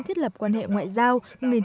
thiết lập quan hệ ngoại giao